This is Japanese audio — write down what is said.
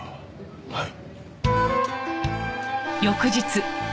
はい。